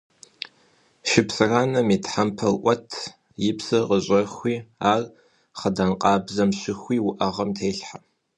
Шыпсыранэм и тхьэмпэр Ӏуэт, и псыр къыщӀэхуи, ар хъыдан къабзэм щыхуи уӀэгъэм телъхьэ.